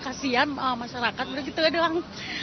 kasian masyarakat gitu doang